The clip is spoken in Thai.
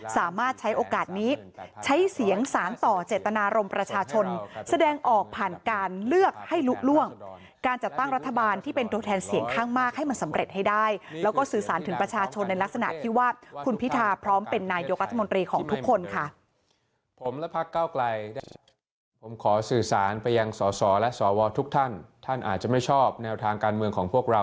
สามารถใช้โอกาสนี้ใช้เสียงสารต่อเจตนารมณ์ประชาชนแสดงออกผ่านการเลือกให้ลุล่วงการจัดตั้งรัฐบาลที่เป็นตัวแทนเสียงข้างมากให้มันสำเร็จให้ได้แล้วก็สื่อสารถึงประชาชนในลักษณะที่ว่าคุณพิทาพร้อมเป็นนายกรัฐมนตรีของทุกคนค่ะ